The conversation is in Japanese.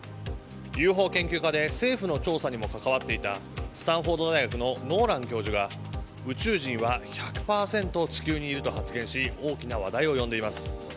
ＵＦＯ研究家で政府の調査にも関わっていたスタンフォード大学のノーラン教授が宇宙人は１００％地球にいると発言し大きな話題を呼んでいます。